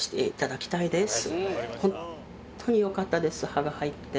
歯が入って。